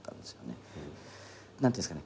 何て言うんですかね